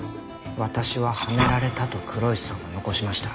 「私は嵌められた」と黒石さんは残しました。